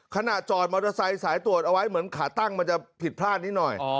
ขณะจอดมอเตอร์ไซค์สายตรวจเอาไว้เหมือนขาตั้งมันจะผิดพลาดนิดหน่อย